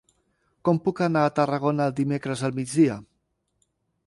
Com puc anar a Tarragona dimecres al migdia?